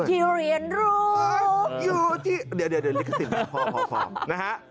อยู่ที่เหรียญรูปอยู่ที่เดี๋ยวลิกสินพอนะฮะ